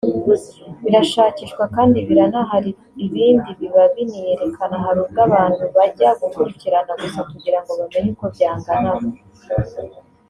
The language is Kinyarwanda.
birashakishwa kandi biranahari ibindi biba biniyerekana hari ubwo abantu bajya gukurikirana gusa kugira ngo bamenye uko byanganaga